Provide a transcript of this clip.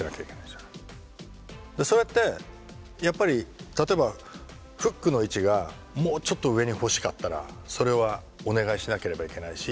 でそれってやっぱり例えばフックの位置がもうちょっと上に欲しかったらそれはお願いしなければいけないし。